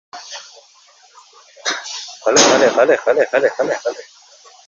Sinfga jon kirdi, har kim oʻzicha taxminladi.